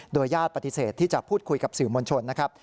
ญาติปฏิเสธที่จะพูดคุยกับสื่อมวลชนนะครับ